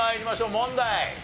問題。